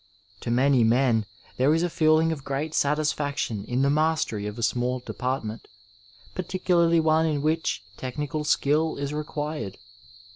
To many men there is a feeling of great satisfaction in the mastery of a small department, particu larly one in which technical skill is required.